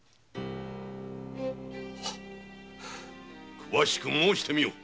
詳しく申してみよ！